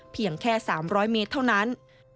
เพียงแค่๓๐๐เมตรเท่านั้น